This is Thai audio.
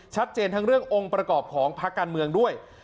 ชัดเจนทั้งเรื่ององค์ประกอบของภาคการเมืองด้วย